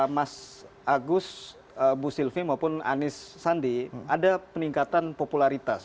mas agus busilvi maupun anies sandi ada peningkatan popularitas